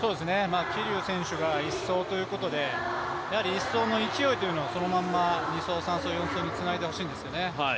桐生選手が１走ということでやはり１走の勢いというのは２走、３走、４走につないでほしいんですよね。